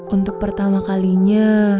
untuk pertama kalinya